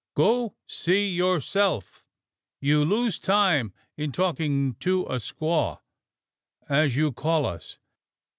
"Go, see yourself! You lose time in talking to a squaw, as you call us.